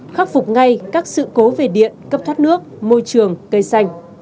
khắc phục ngay các sự cố về điện cấp thoát nước môi trường cây xanh